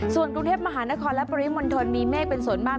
ส่วนกรุงเทพมหานครและปริมณฑลมีเมฆเป็นส่วนมาก